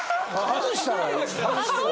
外したら？